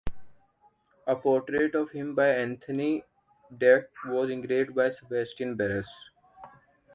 A portrait of him by Anthony van Dyck was engraved by Sebastian Barras.